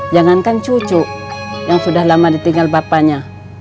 jangankan cucu yang sudah lama ditinggal bapaknya